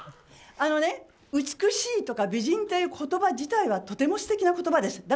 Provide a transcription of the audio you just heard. あのね、美しいとか美人という言葉自体はとても素敵な言葉です。